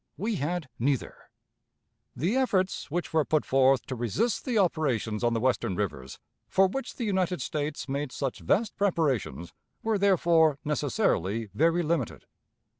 We had neither. The efforts which were put forth to resist the operations on the Western rivers, for which the United States made such vast preparations, were therefore necessarily very limited.